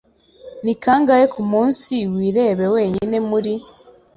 Ni kangahe kumunsi wireba wenyine muri